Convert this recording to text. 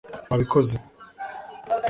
wabikoze